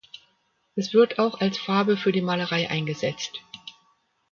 Es wird auch als Farbe für die Malerei eingesetzt.